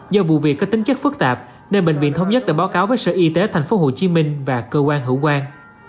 do vụ việc có tính chất phức tạp nên bệnh viện thống nhất đã báo cáo với sở y tế thành phố hồ chí minh và cơ quan hữu quan